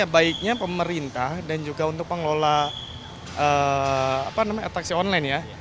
baiknya pemerintah dan juga untuk pengelola taksi online ya